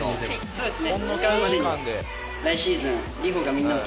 そうですね。